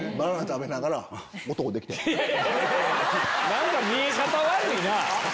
何か見え方悪いな。